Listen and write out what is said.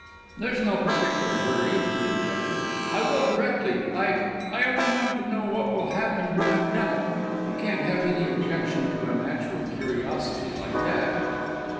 "There's no partickler hurry," he objected. "I will directly. I I only want to know what will happen when I've done it. You can't have any objection to a natural curiosity like that."